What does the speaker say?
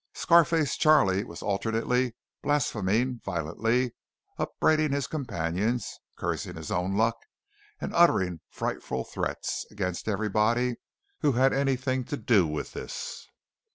Scar face Charley was alternately blaspheming violently, upbraiding his companions, cursing his own luck, and uttering frightful threats against everybody who had anything to do with this.